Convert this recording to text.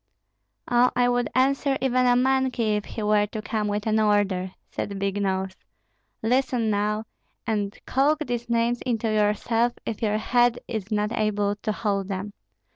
"Oh, I would answer even a monkey if he were to come with an order," said Big Nose. "Listen now, and calk these names into yourself if your head is not able to hold them.